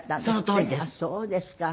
そのとおりです。